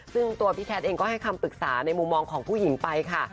ซึ่งตัวพี่แคทเองก็ให้คำปรึกษาในมุมมองของผู้หญิงไปค่ะ